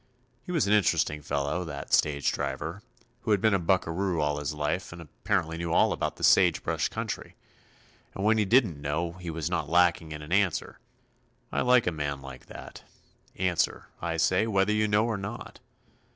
He was an interesting fellow, that stage driver, who had been a buccaroo all his life and apparently knew all about the sage brush country. And when he didn't know he was not lacking in an answer. I like a man like that. Answer, I say, whether you know or not.